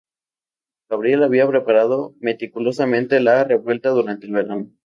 Gabriel había preparado meticulosamente la revuelta durante el verano.